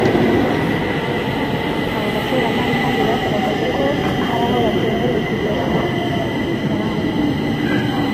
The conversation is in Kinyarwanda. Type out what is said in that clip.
Aba bashoramari kandi banagaragaje ko hari aho batemerewe kugera ku cyambu cya Dar es Salaam